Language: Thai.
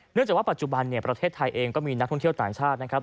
จากว่าปัจจุบันเนี่ยประเทศไทยเองก็มีนักท่องเที่ยวต่างชาตินะครับ